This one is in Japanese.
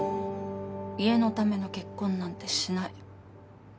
家のための結婚なんてしない。